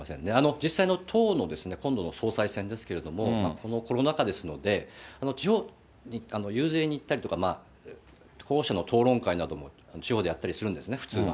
実際の党の今度の総裁選ですけれども、このコロナ禍ですので、地方に遊説に行ったりとか、候補者の討論会なども地方でやったりするんですね、普通は。